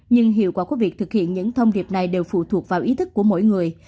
nhưng hiệu quả của việc thực hiện những thông điệp này đều phụ thuộc vào ý thức của mỗi người